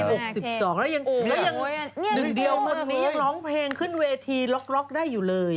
แล้วยังแล้วยังหนึ่งเดียวคนนี้ยังร้องเพลงขึ้นเวทีล็อกได้อยู่เลย